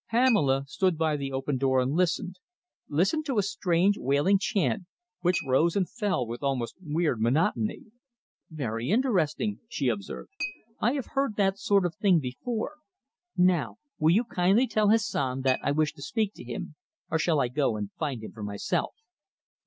Pamela stood by the open door and listened listened to a strange, wailing chant, which rose and fell with almost weird monotony. "Very interesting," she observed. "I have heard that sort of thing before. Now will you kindly tell Hassan that I wish to speak to him, or shall I go and find him for myself?"